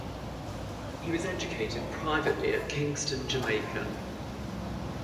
He was educated privately at Kingston, Jamaica.